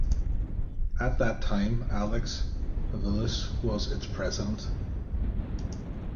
At that time, Alex Vavoulis was its president.